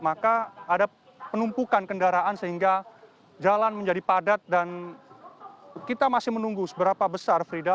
maka ada penumpukan kendaraan sehingga jalan menjadi padat dan kita masih menunggu seberapa besar frida